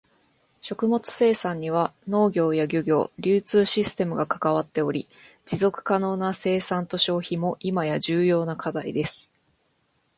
食物生産には農業や漁業、流通システムが関わっており、持続可能な生産と消費も今や重要な課題です。